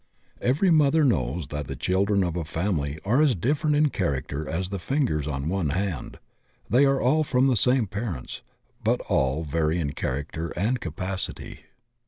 Every mother knows that the children of a family are as different in character as the fingers on one 74 THB OCEAN OF THBOSOPHY hand — ^they are all from the same parents, but all vary in character and capacity.